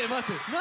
何？